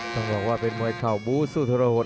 ต้องบอกว่าเป็นมวยเข่าบูสู้ทรหด